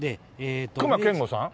隈研吾さん？